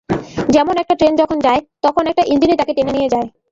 যেমন একটা ট্রেন যখন যায়, তখন একটা ইঞ্জিনই তাকে টেনে নিয়ে যায়।